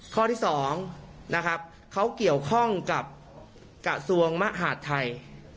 ข้อที่๒นะครับเขาเกี่ยวข้องกับกระทรวงมหาดไทย